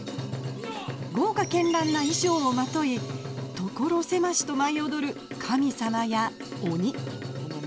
豪華絢爛な衣装をまとい所狭しと舞い踊る神様や鬼。